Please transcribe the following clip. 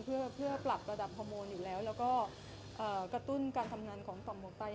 เพื่อปรับระดับฮอร์โมนอยู่แล้วแล้วก็กระตุ้นการทำงานของต่อมหัวไต